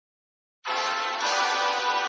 نور پوهان يې د لرغوني يونان په څېر تش سياست نوموي.